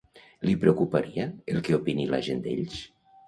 Li preocuparia el que opini la gent d'ells?